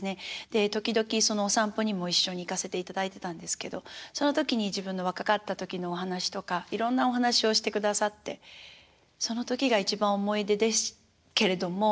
で時々そのお散歩にも一緒に行かせていただいてたんですけどその時に自分の若かった時のお話とかいろんなお話をしてくださってその時が一番思い出ですけれども。